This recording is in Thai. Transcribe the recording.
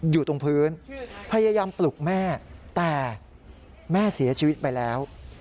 อยู่ตรงพื้นพยายามปลุกแม่แต่แม่เสียชีวิตไปแล้ว